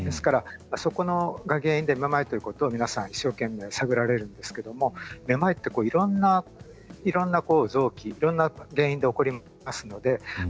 そこが原因でめまいということを一生懸命探られるんですがめまいはいろんな臓器、いろんな原因で起こります。